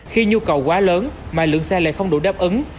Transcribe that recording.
khi nhu cầu quá lớn mà lượng xe lại không đủ đáp ứng